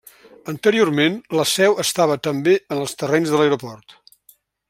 Anteriorment la seu estava també en els terrenys de l'aeroport.